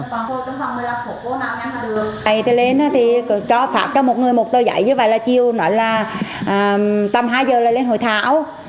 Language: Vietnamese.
tại đây thì lên thì cho phát cho một người một tờ giấy như vậy là chiều nói là tầm hai giờ là lên hội thảo